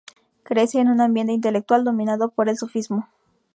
Crece en un ambiente intelectual dominado por el sufismo.